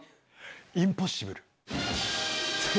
インポッシブル。